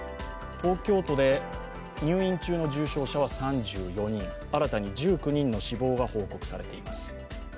東京都で入院中の重症者は３４人、新たに１９人の死亡が報告されています。